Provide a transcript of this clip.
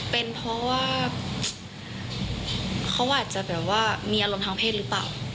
เป็นเพราะว่าเขาอาจจะแบบว่ามีอารมณ์ทางเพศหรือเปล่า